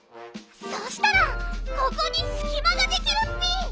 そしたらここにすきまができるッピ！